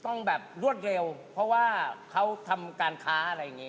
ต้องแบบรวดเร็วเพราะว่าเขาทำการค้าอะไรอย่างนี้